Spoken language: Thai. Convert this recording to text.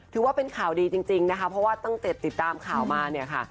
ถือว่าเป็นข่าวดีจริงนะคะเพราะว่าตั้งแต่ติดตามข่าวมาเนี่ยค่ะ